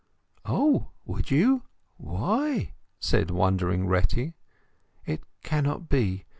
"Oh! would you? Why?" said wondering Retty. "It cannot be!